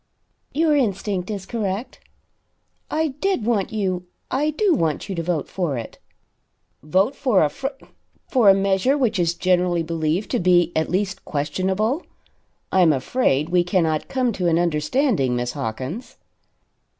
"Your instinct is correct. I did want you I do want you to vote for it." "Vote for a fr for a measure which is generally believed to be at least questionable? I am afraid we cannot come to an understanding, Miss Hawkins."